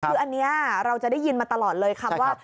คืออันนี้เราจะได้ยินมาตลอดเลยคำว่า